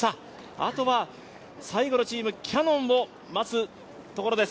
あとは最後のチーム、キヤノンを待つところです。